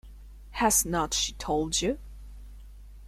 Has not she told you?